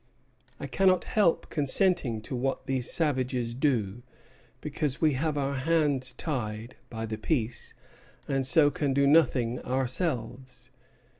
I cannot help consenting to what these savages do, because we have our hands tied [by the peace], and so can do nothing ourselves.